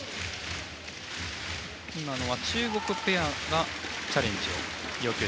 今のは中国ペアがチャレンジ要求。